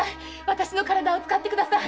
私の体を使ってください！